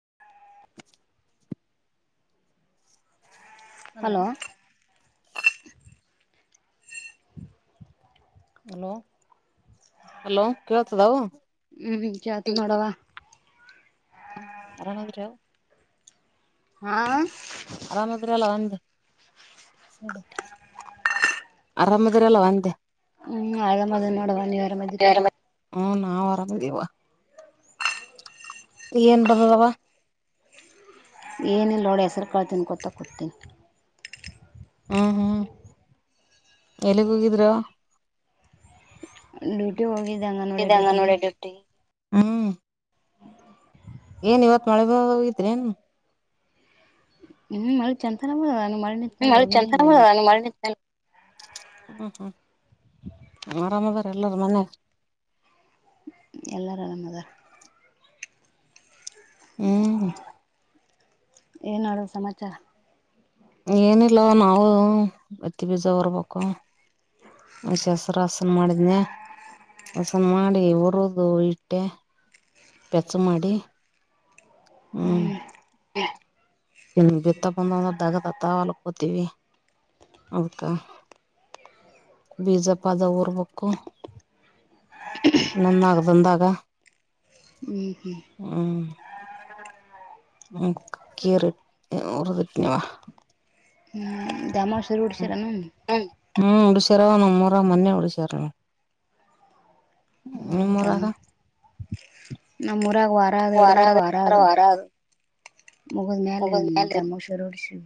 [unintelligible] Hello hello hello ಕ ತದವು ಹ್ಮಚಾತ ನೋಡವಾ ಹ್ಮ್ ಅರಾಮಂದರಾವ ಹಾ ಆರಾಮಾದ್ರಿ ಅಲ್ಲ ಒಂದು್ ಆರಾಮದಿರಲ್ಲ ಒಂದೆ ಹ್ಮ್ ಅಮದ ನೋಡವಾ ನೀವರ ಮಾದ್ರರಿ ಹ್ಮ ನಾವ್ ಆರಾಮಿದೀವಾ ನ್ವಾ ಕಳ್ತೀನಿ ಕೊತಾ ಕೊತೀನಿ ಹ್ಮ್ ಹ್ಮ್ ಎಲ್ಲಿಗ್ ಹೋಗಿದ್ರ ಡ್ಯೂಟಿ ಹೋಗಿದ್ದೆ ಅಂಗನವಾಡಿ ಇದಂಗ ಡ್ಯೂಟಿಗೆ ನೋಡಿ ಡ್ಯೂಟಿ ಹ್ಮ್ ಏನ್ ಇವತ್ ಮಳೆ ಹೋಗಿದ್ರೇನ್ ಹ್ಮ್ ಮಳಿ ಚಂತನ ನಾನು ಮಳೆ ನಿಂತ ಮೇಲೆ ಚರ ಹೋಗಿನಿ ಬಂದೀನಿ ಹ್ಮ ಹ್ಮ ಆರಾಮದೇರ ಎಲ್ಲಾರ ಮನೆ ಎಲ್ಲರ ಅರಾಮ ಅದಾರ ಹ್ಮ್ ಏನ್ ನೋಡೋದು ಸಮಾಚಾರ ಏನಿಲ್ಲ ನಾವು ಮತ್ತಿ ಬೀಜ ಹೊರ್ಬೇಕು ಶಸ್ರ ಹಾಸನ ಮಾಡಿದನ ಹಸನ್ ಮಾಡಿ ಹೊರುದು ಇಟ್ಟೆ ಪೆಚ್ಚ ಮಾಡಿ ಹ್ಮ್ ಇನ್ನು ಬಿತ್ತ ಬಂದ ಅಂದ್ರ ದಗದತ್ತ ಹೊಲಕ್ಕಕೋತೀವಿ ಅದ್ಕ ಬೀಜ ಪಾದ ಉರ್ಬೇಕಕ್ಕು ನನ್ನ ಆಗ್ದಂದಾಗ ಹ್ಮ್ ಹ್ಮ್ ಹ್ಮ್ ಹ್ಮ ಕೀ ಉರುದಟನವಾ ಹ ಮಸ್ ರೂಡ್ ಸಲ್ಲ ಅನು ಚರವ ನ ಮೂೂರ ಮಣೆ ಉಳಿಸಿರ ಉಮೂರಾದ ನಮ್ಮೋದ ರಾಗ ವರ ಅದು ಹಿಡ್ದಾರ ವರ ಅದು ವಾರ ಆದ ಮುಗಿದ ಮೇಲೆ ಮುಗದ್ ಮ್ಯಾಲೆ ತಮ್ಮಷರು ಹಡಸ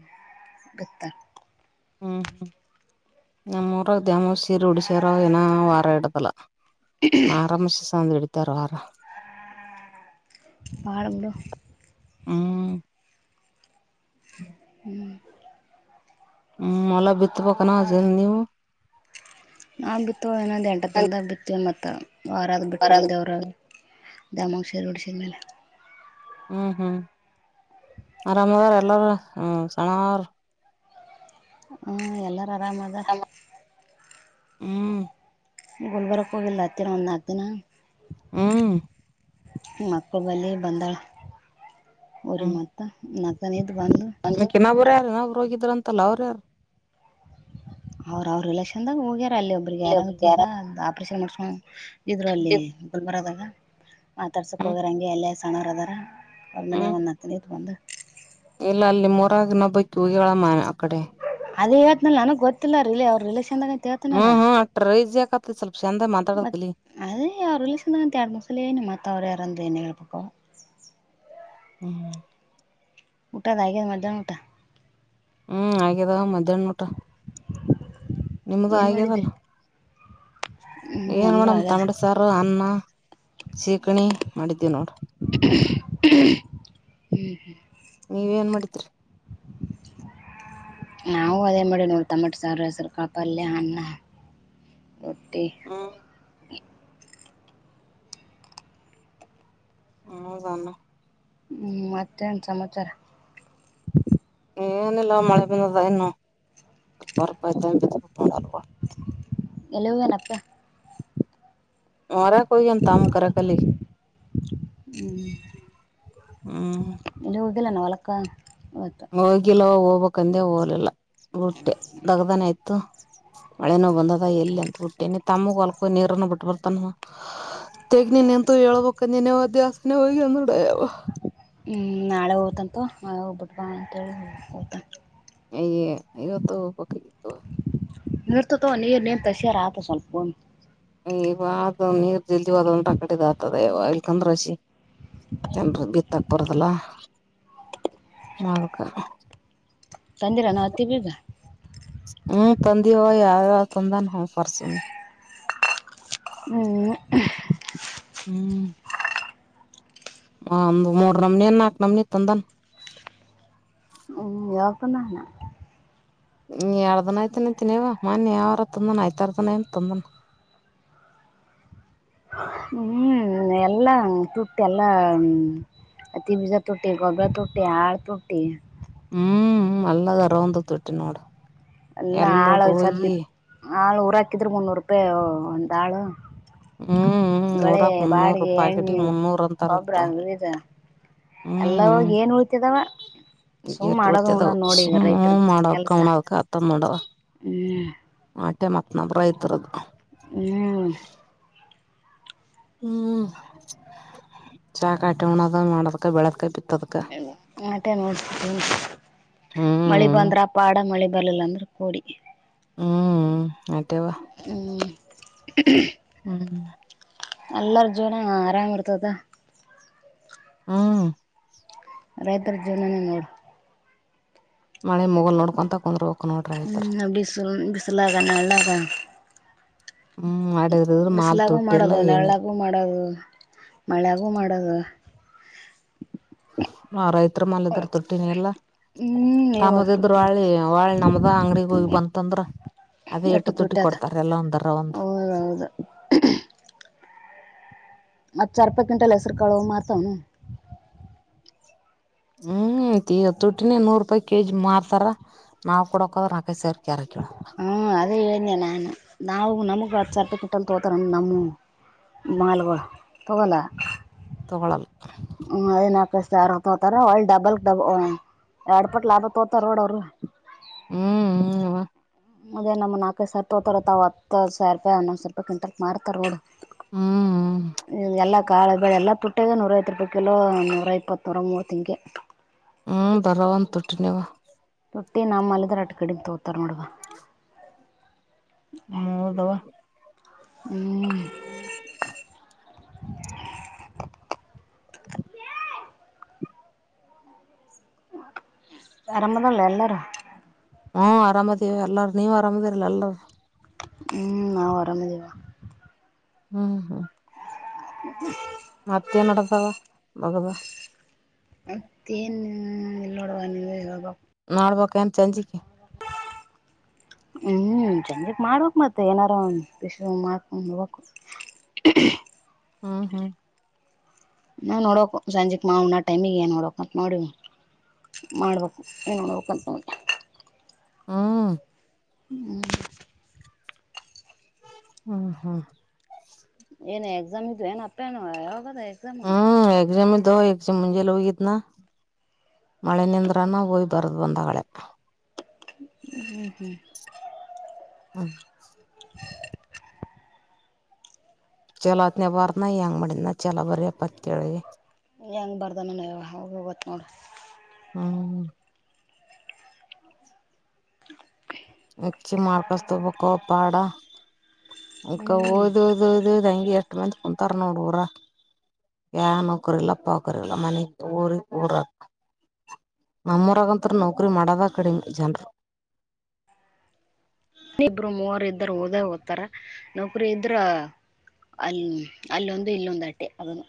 ಗತ್ತ ಹ್ಮ್ ಹ್ಮ್ ನಮ್ಮೂರಾಗ ದ್ಯಾಮೋ ಸೀರಿ ಉಡಸ್ಯಾರ ಏನ ವಾರ ಇಡ್ದಲ್ಲ ನ ಆರಾಮಷ ಸಾವಂತ ಎಡ್ತಾರ ಆರ ಬಹಳ ಗಡ ಹ್ಮ್ ಹ್ಮ್ ಹ್ಮ್ ಮಲ್ಲ ಬಿತ್ತ ಪಕಣ ಜಲ್ ನೀವು ನಾವು ಬಿತ್ತು ಇನೊಂದು ಎಂಟು ದಿನದಾಗ ಬಿತ್ತವಿ ಮತ್ತು ವಾರಾದ ಬಿಟ್ಟ್ಲೆ ದೇವ್ರಾಗ ದೇಮ್ಮವಗ ಸಿರಿ ಉಡಿಸಿದ ಮೇಲೆ ಹ್ಮ್ ಹ್ಮ್ ಆರಾಮದ್ರ ಎಲ್ಲಾರ ಹ್ಮ ಸಣ್ಣವರ ಹ್ಮ್ ಎಲ್ಲರ ಆರಾಮದಾರ ಹ್ಮ್ ಗುಲ್ಬರ್ಕ್ ಹೋಗಿಲ್ ಅತ್ತಿರ ಒಂದ್ ನಾಕ್ ದಿನ ಹ್ಮ ಮಕ್ಕು ಬಲಿ ಬಂಧಳ ರಿ ಹ್ಮ್ ಮಾತ ನತ ನೀ ಬಂದು ಹೋಗಿದ್ರ ಅಂತಲ್ಲ ಅವ್ರ ಯಾರು ಅವ್ರ ಅವ್ರ ರಿಲೆಕ್ಷನ್ದಾಗ ಹೋಗ್ಯಾರ ಅಲ್ಲಿ ಒಬ್ಬ್ರಿಗೆ ಆರಾಮ್ ಯಾರ ಇದದಿಲ್ಲಾ ಆಪರೇಷನ್ ಮಾಡ್ಸ್ಕೋ ಇದ್ರು ಅಲ್ಲಿ ಗುಲ್ ಬರದಾಗ ಮಾತಾಡ್ಸಕ್ಕೆ ಹ್ಮ್ ಹೋಗಿರಂಗೆ ಎಲ್ಲೇ ಸಣ್ಣ್ರು ಅದಾರ ಅವದ್ರ ಮೇನೆ ಒಂದು ಹತನಿ ಇದು ಬಂದು ಎಲ್ಲ ಅಲ್ಲಿಮ್ಮ ಹೊರಗ ನ ಬಕ್ ಹ ಹೇಳಮ್ಮನೆ ಆ ಕಡೆ ಇ ನನಗಗ್ ಗೊತ್ತಿಲ್ಲರಿ ಅವ್ರ ರಿೇಷನ್ದಾಗ ಹ್ಮ್ ಹ್ಮ ಅಟ್ರೈ ಯಕತ ಚಲ ಮತ್ತ ಅದೇ ಅವ್ರ ರಿಲಷನ್ಂತ ಎರ ಮೂರು ಸಲೇ ಹೇಳೇನೇ ಮತ್ತ ಅವ್ರ ಯಾರಂದ ಏನ್ ಹೇಳ ಅಕ ಹ್ಮ್ ಊಟಾ ಅದ ಆಗೇದ ಮದ್ಯಾನ ಊಟಾ ಹ್ಮ್ ಆಗ್ಯದ ಮಧ್ಯಾಹ್ನಊಟ ನಿಮ್ದು ಏನ್ ಆಗ್ಯದಲ್ಲ. ಮಾಡಿದಿರಿ ಹ್ಮ್ ಏನ್ ನಮ್ದು ಮೇಡಮ್ ಆಗ್ಯದ ತಮಾಟಿ ಸಾರ ಅನ್ನ ಹ ಶೀಕಣಿ ಮಾಡಿದ್ದೀವಿ ನೋಡ ಹ್ಮ್ ಹ್ಮ ನೀವ ಏನ್ ಮಾಡಿದ್ರಿ ನಾವು ಅದೇ ಮಾಡೇ ನೋಡ ತಮಾಟಿ ಸಾರ್ ಹೆಸರು ಕಾಳ್ ಪಲ್ಯ ಅನ್ನ ಹೊಟ್ಟಿ ಹ್ಮ್ ಹೌದ ನ್ ಹ್ಮ್ ಮತ್ತೆನ್ ಸಮಾಚಾರ ಏನಿಲ್ಲ ಮಳೆ ಬಂದದ ಇನ್ನು [unintelligible] ಎಲ್ಲೆ ಅದನ ಅಪ್ಪ್ಯಾ ಮಾರಕ ಹೋಗ್ಯಾನ್ ತಮ್ಮ ಕರೆಯಕ್ ಅಲ್ಲೇ ಹ್ಮ ಇಲ್ಲಿ ಹೋಗಿಲ್ಲಾನ ಹೋಲಕ್ಕ ಹೋಗಿಲ್ಲ ಹೋಗ್ಬಕ್ಂದೆ ಹೋಗಲಿಲ್ಲ ಬುಟ್ಟೆ ದಗ್ದಾನ ಆಯ್ತು ಮಳೆನೋ ಬಂದದ ಎಲ್ಲಿ ಅಂತ ಬಿಟ್ಟೇನೆ ತಮ್ಮಗ ಹೊಲ್ಕ ಹೋಗಿ ನೀರನ ಬಿಟ್ಟ ಬರ್ತಾನವ ತಗ ನಿನ್ನೆ ನಿಂತು ಹೇಳಬಕ ನಿನ್ [unintelligible] ಹೋಗಿ ಅೋಡಾವ ಹ್ಮ ನಾಳೆ ಹಓತಂತ ಮೆ ಹೋಗ್ಬಿಟ್ ಬಾ ಅಂತೇಳಿ ಹಓತನ್ ಅಯ್ಯ ಇವತ್ತ ಹೋಗ್ಬಕಾಗಿತ್ತು ನೀರ್ತತವ ನೀರ್ ನಿನ್ ತಗಸಾರ ಆತ ಸ್ವಲ್ಪ ಇವ ಅ ನೀರ್ ಜಲ್ದ ಅಂದುಟಾಕಟ ಇದ್ ಆತದೆ ಇಲ್ಕಂದ ಹಷಿ ಜನ್ರು ಬಿತ್ತಾಕ್ ಬರದಲ್ಲ ಅದಕ್ ತಂದಿರನ ಹತ್ತಿ ಬೀಜ ಹ್ಮ [inaudible] ತಂದೆಯವ ಯಾರ ತಂದಾನ ಹ ಪರ್ಸು ಹ್ಮ ಹ್ಮ್ ಆ ಒಂದು ಮೂರ್ ನಮನಿನ್ ನಾಕ ನಮನಿ ತಂದನ್ ಯಾವಕ ಹ ಎರಡು ದಿನ ಆಯ್ತನಂತನವ ಮನ್ನೆ ಯಾವಾರ ತಂದನ್ ಆಯ್ತಾರ್ದನ ಏನ್ ತಂದನ [unintelligible] ಹ್ಮ್ ಎಲ್ಲಾ ತುಟ್ಟಿ ಎಲ್ಲಾ ಅತಿ ಬಿಜಾ ತುಟ್ಟಿ ಗೊಬ್ಬರ ತುಟ್ಟಿ ಆಳ್ ತುಟ್ಟಿ ಹ್ಮ್ ಅಲ್ಲದ ಅರ ಒಂದ ತುಟ್ಟಿ ನೋಡ ಎಲ್ಲ ಆಳ ಸದ್ದಿ ಆಳು ಊರಾಕಿದ್ರರು ಮುನ್ನೂರು ರೂಪಾಯಿ ಒಂದ ಆಳು ಹ್ಮ್ ಳೆ ನೂರಾಕ್ [unintelligible] ಮುನ್ನೂರು ಬಾಡಿಗೆ ಎಣ್ಣೆ ಪಾಕೆಟಿಗೆ ಮುನ್ನೂರ್ ಅಂತಾರಂತ ಬಬ್ಬ್ರ ವಿಧ ಎಲ್ಲ ಹ್ಮ್ ಹೋಗಿ ಏನ್ ಉಳ್ತಿದಾವ ಸುಮ್ ಏಟ್ ಮಾಡೋದು ಹಣ ಉಳಿತದವು ನೋಡಿ ಈಗ ಸುಮ್ ರೈತ್ರದ ಮಾಡವ ಕೆಲ್ಸ ಕವಣದಕ ಆತ್ತ ನೋಡವ ಹ್ಮ್ ಆಟೆ ಮತ್ತ ನಮ್ಮ ರೈತರದು ಹ್ಮ್ ಹ್ಮ್ ಚಾ ಕಟಿಣದ ಮಾಡದಕ ಬೆಳದಕಾಯ ಬಿ ಆಟೇ ನೋಡ್ ಮಳಿ ಹ್ಮ್ ಬಂದ್ರ ಪಾಡ ಮಳಿ ಬರ್ಲಿಲ ಅಂದ್ರ ಕೋಡಿ ಹ್ಮ್ ಆ ಹ್ಮ್ ಹ್ಮ್ ಎಲ್ಲರ ಜೀವನ್ ಆರಾಮ್ ಇರ್ತದ ಹ್ಮ ರೈತರ ಜೀವನನೇ ನೋಡ ಮಳೆ ಮೊಲ್ ನೋಡ್ಕೊಂತ ಕುಂದ್ೋಗ ಬಿಸಿಲಗ ನಹಳ್ಳಿ ಹ್ಮ್ ಅಡಗಿದ್ರ ಮಾಲ್ ತೊಟ್ಟಿಲ್ಲ ಮಾಡೋದು ಏನಿಲ್ಲ ಮಳೆಗೂ ಮಾಡದು ಆ ರೈತ್ರ ಮಲದ್ರ ತೊಟ್ಟಿನಿ ಎಲ್ಲ ಹ್ಮ್ ತಮ್ಮದ ಇವತ್ತು ಇದ್ರ ಒಾಳಿ ವಾಳಿ ನಮ್ದ ಅಂಗ್ಡಿಗ್ ಹೋಗಿ ಬಂತಂದ್ರ ಅದೇ ಎಟ್ಟು ತುಟಿ ಕೊಡ್ತಾರ ಎಲ್ಲ ಒಂದರ ಒಂದು ಹ್ಮ ಮತ್ತ ಅಾರ್ಪ ಗಿಂಟಲ್ ಹೆಸ್ರುಕಳುವ ಮಾತ್ರವನು ಹ್ಮ್ ತೊಟಿನ ನೂರ್ ರೂಪಾಯಿ ಕೆಜಿ ಮಾರ್ತಾರ ನಾವ್ ಕೊಡಕದ್ರ ನಕೈ ಸೇರ್ ಕ್ಯಾರ ಕೇಳ ಹ್ಮ ಅದೇ ಹೇಳ್ದೆ ನಾನ್ ನಾವು ನಮಗ್ ಹತ್ತು ಸರ್ಟಿಿಕೆಟ್ಲ್ಲಿ ತೋತಾರ ನಮ್ಮ ಮಾಲ್ ತಗೋಲ್ಲ ತಗೊಳಲ್ಲ ಏನ ಕಷ್ಟ ಆರ ತೋತಾರ ಒಳ್ಳ ಡಬಲ್ ಡಬಲ್ ಎರಡ್ ಪಟ್ ಲಾಭ ತೋತಾರ ನೋಡ ಅವರು ಹ್ಮ್ ಹ್ಮ ಅದೇ ನಮ್ಮ ನಲ್ಕೈದು ಸಾವರ ತೋತಾರತ ಅವ ಹತ್ತು ಸಾವಿ ರೂಪಾಯ ಹನ್ನೊ ಸಾವಿೂಪಾಯ್ಂಟಲ್ಕ್ ಮಾಡತಾರ ನೋಡು ಹ್ಮ್ ಹ್ಮ ಎಲ್ಲ ಕಾಳ ಬೆಳೆ ಎಲ್ಲ ತುಟ್ಟ ಒಟ್ಟೆಗೆ ನೂರೈತ್ತು ರೂಾಯಿಲೋ ನೂರ ಇಪ್ಪತ್ ನೂರ ಮೂವತ್ತಂಗೆ ಧನ್ಯವಾದ ಮಟ್ಟಿ ನಮ್ಮಲದ್ರ ಅಟ್ ಕಡಿಂದ ತೋತಾರ ನೋಡುವ ಹ್ಮ್ ಹೌದವಾ ಹ್ಮ್ ಆರಾಮದಲ್ಲ ಎಲ್ಲರೂ ಹ್ಮ ಆರಾಮದೇವಿ ಎಲ್ಲಾರ ನೀವ ಆರಾಮದಿರಲ್ಲ ಎಲ್ಲಾರ ಹ್ಮ್ ನಾವು ಆರಾಮೇದೇವ ಹ್ಮ್ ಹ್ಮ್ ಮತ್ತೆ ಮಾಡಡತಾವ ಮಗದ ಮತ್ತೇನ್ ಇಲ್ ನೋಡುವ ನೀವ ಹ ನೋಡಬೇಕು ಏನ್ ಸಂಜೆ ಕೆ [unintelligible] ಹ್ಮ್ ಚೆಂದಗ್ ಮಾಡ್ಬೇಕಕ್ ಮತ್ತೆ ಏನಾರು ಮಾಡ್ಕೊಂಡ್ ನೋಬೇಕು [unintelligible] ಹ್ಮ ಹ್ಮ್ ನಾ ನೋಡು ಸಂಜೆಕ್ ಮಾಣ ಟೈಮಿಗೆ ಏನ್ ನೋಡಕಂತ ನೋಡಿ ಮಾಡ್ಬೇಕ ಏನೋ ಕಿ ಹಾ ಹ್ಮ ಹ್ಮ ಹ್ಮ್ ಎನ ಎಕ್ಜಾಮ ಇು ನ ಅ್ಯನು ಆಾವಾಗತ ಎಕ್ಾಮ ದಹ ಚ ಮುಜೆ ಲೋಗಿತನಾ ಮಳೆ ನಿಂದ್ರನ ಹೋಯ್ ಬರ್ದು್ ಬಂದಳೆ ಹ್ಮ್ ಹ್ಮ್ ಹ್ಮ್ ಚಲೋ ಅತ್ನ ಬಾರ ನ ಹೆಂಗ್ ಮಾಡಿದ್ ನ ಚಲೋ ಬರ ಅಪ್ಪತ್ ಕೆೇಳಳಗೆ ಹೆಂಗ್ ಬರ್್ದನ ಹೋಗಿತ್ ನೋಡಿ ಹ್ಮ್ ಹಕ್ಷಿ ಮಾಡಾರ್ಕಸ್ತುಪಕ್ಕೋಪಾಡ ಅಕ ಹ್ಞೂ ಓದ್ ಓದ್ ಓದ್ದ್ ಹಂಗಿ ಎಷ್ಟ ಮಂದತ್ ಕುಂತಾರ ನೋಡಊರ ನ್ ನೋಕರಿಲ್ಲಪ್ಪಾಕರಲ್ಲ ಮನೆ ಊರಿ ಊರ ನಮ್ಮರಗಂತರ ನೌಕರಿ ಮಾಡದ ಕಡೆಮ ಜನ್ರು ಇಬ್ರು ಮೂವರು ಇದರು ಓದೇ ಓ್ತಾರ ನೌಕರು ಇದ್ರ ಅಲ್ಲ ಅಲ್ಲೊಂದು ಇಲ್ಲೊಂದು ಅಟ್ಟೆ ಅದನು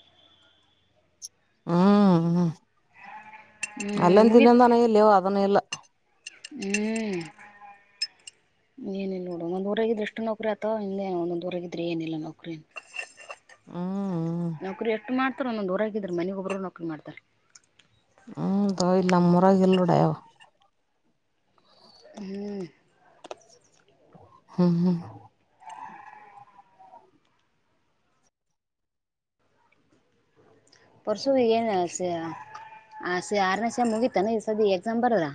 ಹ್ಮ್ ಹ್ಮ್ ಹ್ಮ್ ಅಲ್ಲಂದ ಮುಗಿತ್ ತಿಲ್ಲಂದಾನ ಇಲ್ಲವು ಅದನ್ನ ಇಲ್ಲ ಹ್ಮ್ ಏನಿಲ್ಲ ನೋಡು ಒಂದ್ ಊರಗಿದ್ರೆ ಎಷ್ಟು ನೌಕ್ರರಿ ಅತ ಇಲ್ಲೇ ಒೊಂದ್ಊಗಿದ್ರೆ ಏನಿಲ್ಲ ನೌಕರಿ ಹ್ಮ್ ನೌಕರಿ ಎಷ್ಟು ಮಾಡ್ತಾರ ಒಂದೊಂದ ಹೊಊರಗಿದ್ರ ಮನಗ್ ಒಬರು ನೌಕರಿ ಮಾಡ್ತಾರ ಹ್ಮ ದ ಇಲ್ಲ ಮುರಗ ಎಲ್ೋಡ ಯವ ಹ್ಮ್ ಹ್ಮ್ ಹ್ಮ್ ಪಸು ಹನೆಸ ಆರನಷ ಮುಗಿತಾನ ಈ ಸದ ಎಕ್ಸಾಮ್ ಬರದ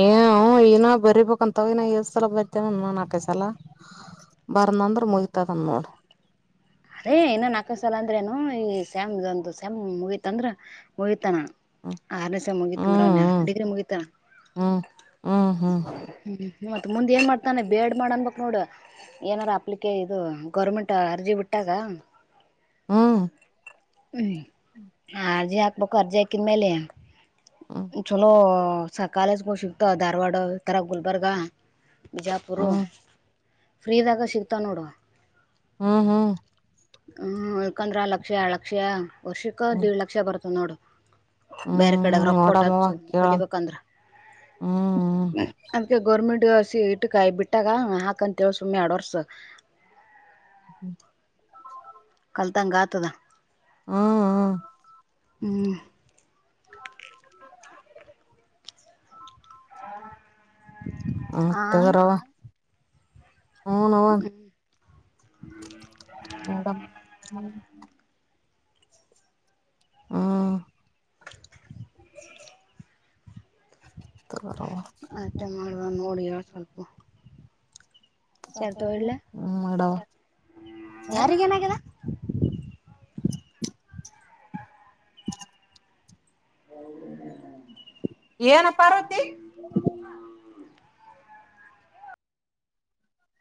ಏ ನ ಬರಿಬೇಕಂತಗನ ಇ್ ಸಲ ಬರ್ತೇವ ನ ನಾಕ ಸಲ ಬರ್ ನಂದ್ರ ಮುಯತದನ್ ನೋಡ್ ಅದೇ ಇನ್ನೊ ನಾಲ್ಕನ ಸಲ ಅಂದ್ರೇನು ಈ ಸ್ಯಾಮ ಒಂದು ಸ್ಯಾಮ್ ಮುಗತ ಅಂದ್ರ ಮುಗತಾನ ಹ್ಮ್ ಆರನಸ ಮುಗಿತಂದ್ರನ್ಯ ಹ್ಮ್ ಡಿಗ್ರಿ ಮುಗಿತ ಹ್ಮ್ ಹ್ಮ್ ಹ್ಮ್ ಹ್ಮ್ ಮತ್ತ ಮುಂದೆ ಏನ್ ಮಾಡ್ತಾನೆ ಬೇಡ್ ಮಾಡ್ ಅನ್ಬೇಕ ನೋಡು ಏನಾರೂ ಅಪ್ಲಿಕೆ ಇದು ಗೌರ್ಮೆಂಟ್ ಅರ್ಜಿ ಬಿಟ್ಟಾಗ ಹ್ಮ್ ಹ್ಮ್ ಆ ಜಾಕಬೇಕಕಾರರ್ ಜಕಿನ ಮೇಲೆ ಹ್ಮ್ ಚಲೋ ಸ ಕಾಲೇಜ್ಗ ಸಿಗ್ತ ಧಾರವಾಡಥರ ಗುಲ್ಬರ್ಗ ಜಾಪುರು ಹ್ಮ್ ಫ್ರೀದಾಗ ಸಿಗ್ತಾವ ನೋಡು ಹ್ಮ್ ಹ್ಮ್ ಹ್ಮ್ ಯಕಂದ್ರ ಆ ಲಕ್ಷ ಎ ಲಕ್ಷ ವರ್ಷಕ್ಕ ಹ್ಮ್ ದೇಡ್ ಲಕ್ಷ ಬರ್ತ ನೋಡು ಬೇರೆ ಹ್ಮ್ ಕಡೆಗೆ ರೊಕ್ಕ ನೋಡಮವ ಕೊಟ್ಟಚ್ಚು ಕೇಳಮ ಕಲಿಬೇಕಂದ್ರ ಹ್ಮ್ ಗೌರ್ಮೆಂಟ್ಸ ಇಟ್ಟಕಾಯಿ ಬಿಟ್ಟಾಗ ಹಾಕಂತೇಳ ಸುಮ್ನೆ ಎರಡ ವರ್ಸ ಹ್ಮ್ ಕಲ್ತಂಗಂಗ ಆತದಾ ಹ್ಮ್ ಹ್ಮ್ ಹತ್ತ ಆ ಕರಾವ ಹನ ಅವವನ್ ಮಡ ಹಾ ತಗರವ ಮತ್ತೆ ಮಾಡುವ ನೋಡಿ ಹೇಳ ಸ್ವಲ್ಪ ಶರ್ಟ್ ಒಡ್ಲ ಹ್ಮ್ ಮಡ ಯಾರಿಗ ಏನಾಗ್ಯದ ಹೌ್ಮ ಏನ ಪಾರ್ವತಿ